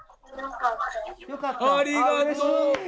ありがとう。